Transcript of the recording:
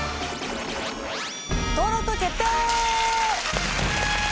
登録決定！